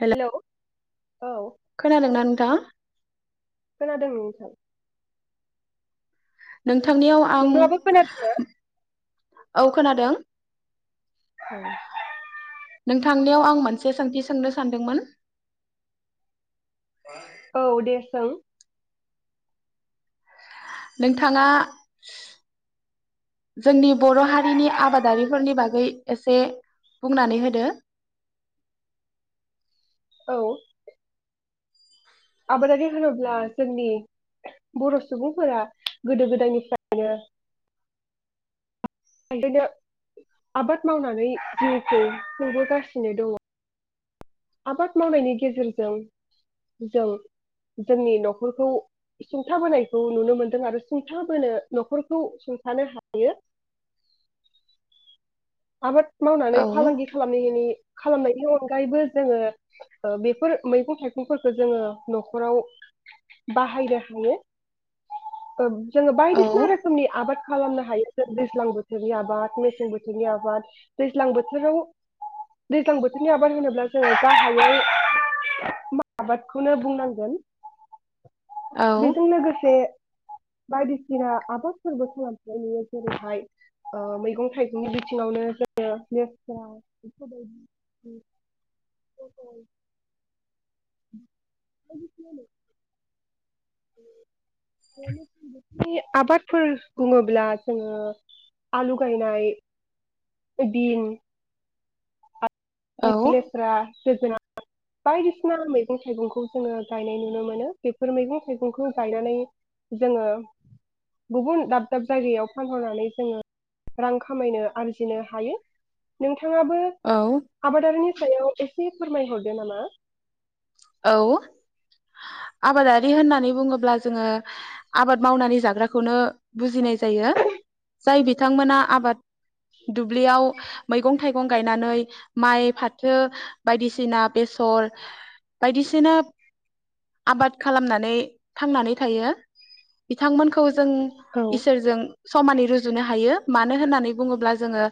Hello औ खोनादों ना नोंथाङा? खोनादों नोंथां। नोंथांनियाव आं नोंथाङाबो खोनादोंना औ खोनादों। औ नोंथांनियाव आं मोनसे सोंथि सोंनो सानदोंमोन। औ दे सों। नोंथाङा जोंनि बर' हारिनि आबादारिफोरनि बागै एसे बुंनानै होदो। औ आबादारि होनोब्ला जोंनि बर' सुबुंफोरा गोदो गोदायनिफ्रायनो [unintelligible] आबाद मावनानै जिउखौ खुंबोगासिनो दङ'। आबाद मावनायनि गेजेरजों जों जोंनि न'खरखौ सुंथाबोनायखौ नुनो मोन्दों आरो सुंथाबोनो न'खरखौ सुंथानो हायो। आबाद मावनानै औ फालांगि खालाम [unintelligible] खालामनायनि अनगायैबो जोङो ओ बेफोर मैगं थाइगंफोरखौ जोङो न'खराव बाहायनो हायो ओ जोङो औ बायदिसिना रोखोमनि आबाद खालामनो हायो जों दैज्लां बोथोरनि आबाद मेसें बोथोर बिनि आबाद दैज्लां बोथोराव दैज्लां बोथोरनि आबाद होनोब्ला जोङो गाहायै माइ आबादखौनो बुंनांगोन। औ बेजों लोगोसे बायदिसिना आबादफोरबो खालामनाय नुयो जेरैहाय ओ मैगं थाइ गंनि बिथिङावनो जोङो लेथ्रा सबाइ [inaudible] पटल बायदिसिना मैगं [inaudible] आबादफोर बुङोब्ला जोङो आलु गायनाय बिन औ [unintelligible] लेथ्रा जोगोनार बायदिसिना मैगं थाइगंखौ जोङो गायनाय नुनो मोनो बेफोर मैगं थाइगंखौ गायनानै जोङो गुबुन दाब दाब जायगायाव फानहरनानै जोङो रां खामायनो आरजिनो हायो। बिथाङाबो औ आबादारिनि सायाव एसे से फोरमायहरदो नामा। औ आबादारि होननानै बुङोब्ला जोङो आबाद मावनानै जाग्राखौनो बुजिनाय जायो जाय बिथांमोना आबाद दुब्लियाव मैगं थाइगं गायनानै माइ फाथो बायदिसिना बेसर बायदिसिना आबाद खालामनानै थांनानै थायो बिथांमोनखौ जों औ इसोरजों समानै रुजुनो हायो मानो होननानै बुङोब्ला जोङो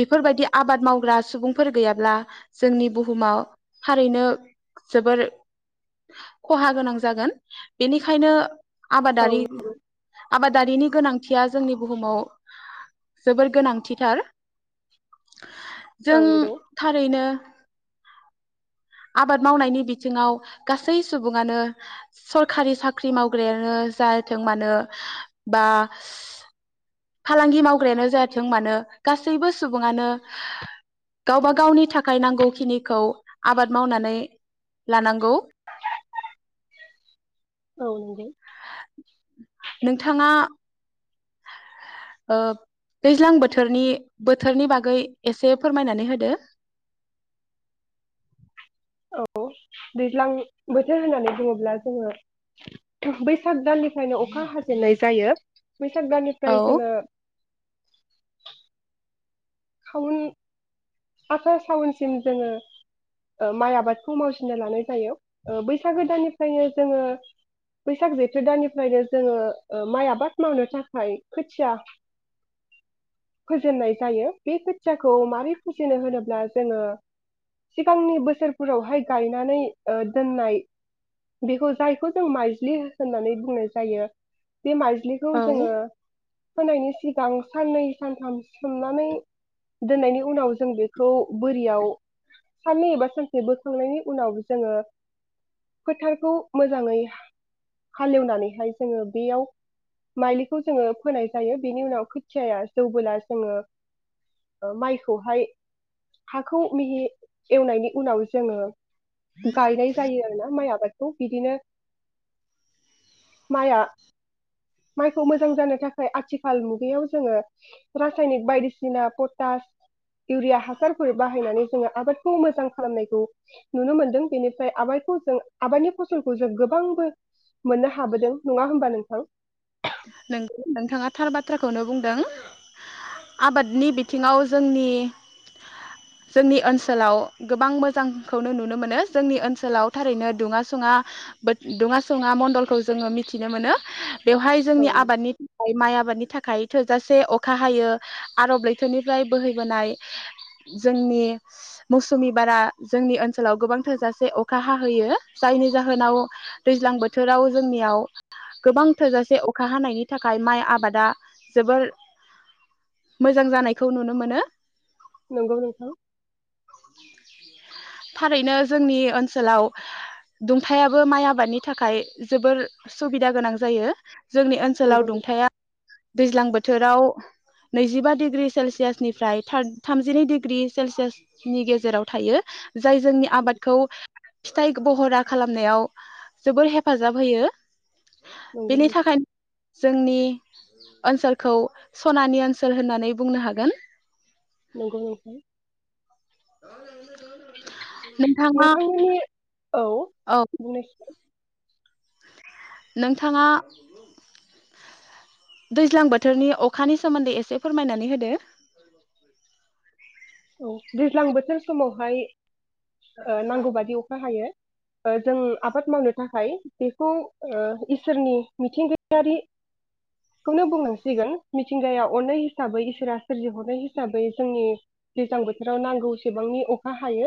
बेफोरबायदि आबाद मावग्रा सुबुंफोर गैयाब्ला जोंनि बुहुमाव थारैनो जोबोर खहा गोनां जागोन बेनिखायनो। औ नंगौ आबादारि आबादारिनि गोनांथिया जोंनि बुहुमाव जोबोर गोनांथिथार। औ जों नंगौ थारैनो आबाद मावनायनि बिथिङाव गासै सुबुङानो सरखारि साख्रि मावग्रायानो जाथों मानो बा फालांगि मावग्रायानो जाथों मानो गासैबो सुबुङानो गावबा गावनि थाखाय नांगौ खिनिखौ आबाद मावनानै लानांगौ। औ नंगौ नोंथाङा ओ दैज्लां बोथोरनि बोथोरनि बागै एसे फोरमायनानै होदो। औ दैज्लां बोथोर होननानै बुङोब्ला जोङो बैसाग दाननिफ्रायनो अखा हाजेननाय जायो। बैसाग औ दाननिफ्राय जोङो खाउन आसार सावनसिम जोङो ओ माइ आबादखौ मावसिना लानाय जायो ओ बैसागो दाननिफ्रायनो जोङो बैसाग जेथो दाननिफ्रायनो जोङो माइ आबाद मावनो थाखाय खोथिया फोजेननाय जायो बे खोथियाखौ मारै फोजेनो होनोब्ला जोङो सिगांनि बोसोरफोरावहाय गायनानै ओ दोननाय बेखौ जायखौ जों माइज्लि होननानै बुंनाय जायो। बे माइज्लिखौ औ जोङो फोनायनि सिगां साननै सानथाम सोमनानै दोननायनि उनाव जों बेखौ बोरियाव साननै एबा सानसे बोखांनायनि उनाव जोङो फोथारखौ मोजाङै हालेवनानैहाय जोङो बेयाव माइलिखौ जोङो फोनाय जायो बेनि उनाव खोथियाया जौबोला जोङो माइखौहाय हाखौ मिहि एवनायनि उनाव जोङो गायनाय जायो आरोना माइ आबाद औ बिदिनो माइआ माइखौ मोजां जानो थाखाय आथिखाल मुगायाव जोङो रासायनिक बायदिसिना पटास। इउरिया हासारफोर बाहायनानै जोङो आबादखौ मोजां खालामनायखौ नुनो मोनदों बेनिफ्राय आबादखौ जों आबादनि फसलखौ जों गोबांबो मोननो हाबोदों नङा होमबा नोंथां। नंगौ नोंथाङा थार बाथ्राखौनो बुंदों आबादनि बिथिङाव जोंनि जोंनि ओनसोलाव गोबां मोजांखौनो नुनो मोनो जोंनि ओनसोलाव थारैनो दुङा सुङा दुङा सङा मडलखौ जोङो मिथिनो मोनो बेवहाय। औ जोंनि आबादनि थाखाय माइ। आबादनि थाखाय थोजासे अखा हायो आरब लैथोरनिफ्राय बोहैबोनाय जोंनि मौसुमि बारा जोंनि ओनसोलाव गोबां थोजासे अखा हाहैयो जायनि जाहोनाव दैज्लां बोथोराव जोंनियाव गोबां थोजासे। अखा हानायनि थाखाय माइ आबादा जोबोर मोजां जानायखौ नुनो मोनो। नंगौ नोंथां। थारैनो जोंनि ओनसोलाव दुंथायाबो माइ आबादनि थाखाय जोबोर सुबिदा गोनां जायो। जोंनि ओनसोलाव नंगौ नंगौ दुंथाया। दैज्लां बोथोराव नैजिबा डिग्रि सेलसियासनिफ्राय थामजिनै डिग्रि सेलसियास। नि गेजेराव थायो। जाय जोंनि आबादखौ। फिथाइ बहरा खालामनायाव जोबोर हेफाजाब होयो। बेनि नोंथां थाखायनो जोंनि। ओनसोलखौ सनानि ओनसोल होननानै बुंनो हागोन। नंगौ नोंथां [unintelligible] नोंथांमोननि। औ औ बुंनायसाय। नोंथाङा दैज्लां बोथोरनि अखानि सोमोन्दै एसे फोरमायनानै होदो औ दैज्लां बोथोर समावहाय ओ नांगौ बादि अखा हायो। ओ जों आबाद मावनो थाखाय बेखौ इसोरनि मिथिंगायारिखौनो बुंनांसिगोन मिथिंगाया अननाय हिसाबै इसोरा सोरजिहरनाय हिसाबै जोंनि दैज्लां बोथोराव नांगौसेबांनि अखा हायो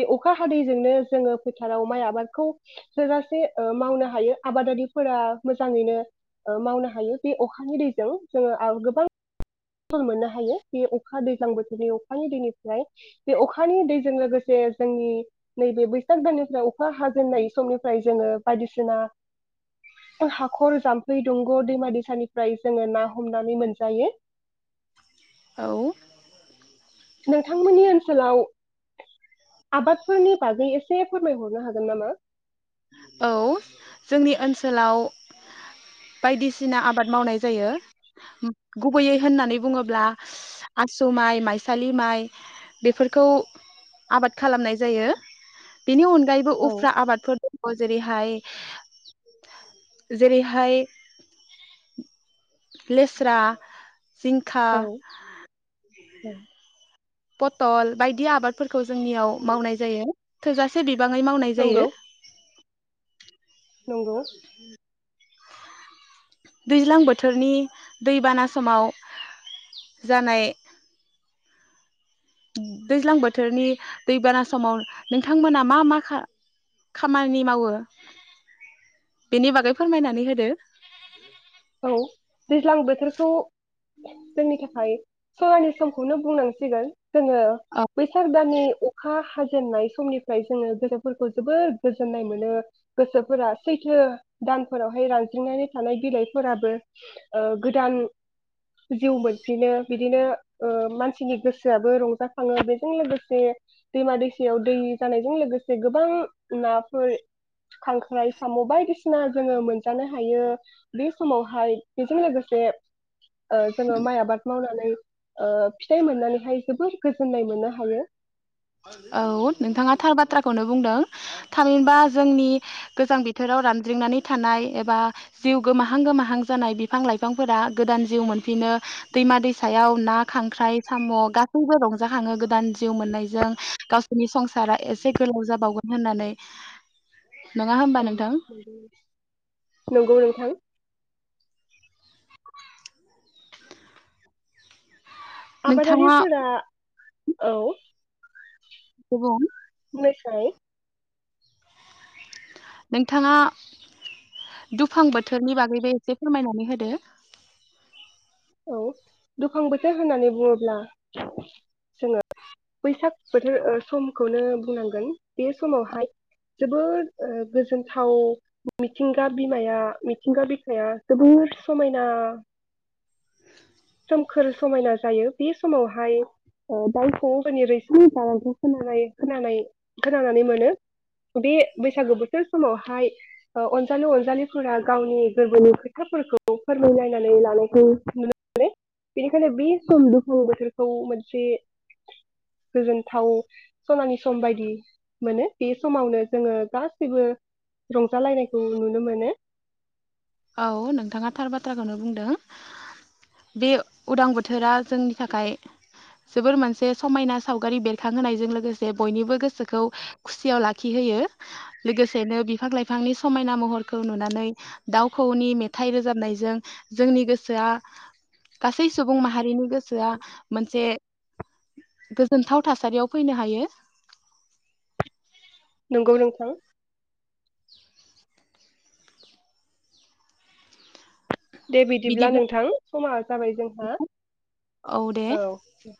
बे अखा हादैजोंनो जोंङो फोथाराव माय आबादखौ थोजासे मावनो हायो आबादारिफोरा मोजाङैनो मावनो हायो बे अखानि दैजों जङो आव गोबां फल मोननो हायो बे अखा दैज्लां बो बे अखानि दैनिफ्राय बे अखानि दैजों लोगोसे जोंनि नैबे बैसाग दाननिफ्राय अखा हाजेननाय समनिफ्राय जोंङो बायदिसिना हाखर जाम्फै दंग' दैमा दैसानिफ्राय जोंङो ना हमनानै मोनजायो। औ नोंथांमोननि ओनसोलाव आबादफोरनि बागै एसे फोरमायहरनो हागोन नामा। औ जोंनि ओनसोलाव बायदिसिना आबाद मावनाय जायो गुबैयै होननानै बुङोब्ला आसु माय मायसालि माय बेफोरखौ आबाद खालामनाय जायो बेनि अन गायैबो औ उफ्रा आबादफोर जेरैहाय-जेरैहाय लेस्रा जिंखा औ औ पथल बायदि आबादफोरखौ जोंनियाव मावनाय जायो थोजासे बि बाङै मावनाय नंगौ जायो। नंगौ [unintelligible] दैज्लां बोथोरनि दैबाना समाव जानाय दैज्लां बोथोरनि दैबाना समाव नोंथांमोना मा मा खा खामानि मावो बेनि बागै फोरमायनानै होदो। औ दैज्लां बोथोरखौ जोंनि थाखाय सनानि समखौनो बुंनांसिगोन। जोंङो बैसाग दाननि अखा हा जेनाय समनिफ्राय जोंङो गोसोफोरखौ जोबोर गोजोननाय मोनो गोसोफोरा सैथो दानफोरावहाय रानज्रिंनानै थानाय बिलाय फोराबो ओ गोदान जिउ मोनफिनो बिदिनो ओ मानसिनि गोसोआबो रंजााखाङो बेजों लोगोसे दैमा दैसायाव दै जानायजों लोगोसे गोबां नाफोर खांख्राइ साम' बायदिसिना जोंङो मोनजानो हायो। बे समावहाय बेजों लोगोसे ओ जोंङो माय आबाद मावनानै ओ फिथाय मोननानैहाय जोबोर गोजोननाय मोननो हायो। औ नोंथाङा थार बाथ्राखौनो बुंदों थामिनबा जोंनि गोजां बोथोराव रानद्रिंनानै थानाय एबा जिउ गोमाहां-गोमाहां जानाय बिफां लायफांफोरा गोदान जिउ मोनफिनो दैमा दैसायाव ना खांख्राइ साम' गासैबो रंजाखाङो गोदान जिउ मोननायजों गावसोरनि संसारा एसे गोलाव जाबावगोन होननानै। नङा होमबा औ नोंथां नंगौ नोंथां [unintelligible] नोंथाङा आबादारिफोरा औ दे बुं बुंनायसाय नोंथाङा दुफां बोथोरनि बागैबो एसे फोरमायनानै होदो। औ दुफां बोथोर होननानै बुङोब्ला जोंङो बैसाग बोथोर ओ समखौनो बुंनांगोन बे समावहाय जोबोर ओ गोजोनथाव मिथिंगा बिमाया मिथिंगा बिखाया जोबोर समायना। सोमखोर समायना जायो बे समावहाय ओ दाउ खौऔफोरनि रैसुमै गारांखौ खोनानाय खोनानाय खोनानानै मोनो बे बैसागो बोथोर समावहाय ओ अनजालु अनजालिफोरा गावनि गोरबोनि खोथाफोरखौ फोरमायलायनानै लानायखौ नुनो मोनो बेनिखायनो बे सम दुफां बोथोरखौ मोनसे गोजोन्थाव सनानि सम बायदि मोनो बे समावनो जोङो गासैबो रंजालायनायखौ नुनो मोनो। औ नोंथाङा थार बाथ्राखौनो बुंदों बे उदां बोथोरा जोंनि थाखाय जोबोर मोनसे समायना सावगारि बेरखांहोनायजों लोगोसे बयनिबो गोसोखौ खुसियाव लाखिहोयो लोगोसेनो बिफां लाइफांनि समायना महरखौ नुनानै दाउ खौऔनि मेथाइ रोजाबनायजों जोंनि गोसोआ गासै सुबुं माहारिनि गोसोआ मोनसे गोजोनथाव थासारियाव फैनो हायो। नंगौ नोंथां दे बिदिब्ला नोंथां समा जाबाय जोंहा औ दे । औ